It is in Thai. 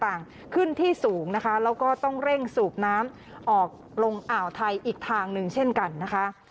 ขึ้นที่สูงนะคะแล้วก็ต้องเร่งสูบน้ำออกลงอ่าวไทยอีกทางหนึ่งเช่นกันนะคะ